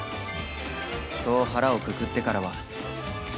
そう腹をくくってからは